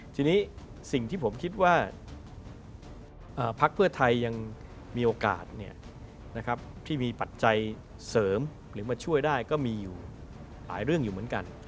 ทีนี้สิ่งที่ผมคิดว่าพักเพื่อไทยยังมีโอกาสที่มีปัจจัยเสริมหรือมาช่วยได้ก็มีอยู่หลายเรื่องอยู่เหมือนกัน